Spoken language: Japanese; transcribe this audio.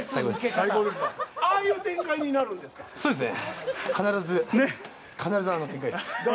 ああいう展開になるんですか。